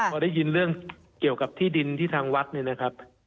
พอได้ยินเรื่องเกี่ยวกับที่ดินที่ทางวัดเนี่ยนะครับ